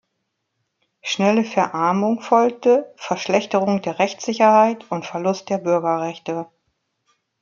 Schnelle Verarmung folgte, Verschlechterung der Rechtssicherheit und Verlust der Bürgerrechte.